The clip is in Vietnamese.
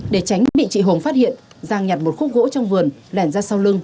để tránh bị chị hùng phát hiện giang nhặt một khúc gỗ trong vườn lẻn ra sau lưng